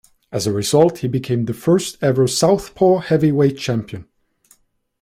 As a result, he became the first-ever southpaw heavyweight champion.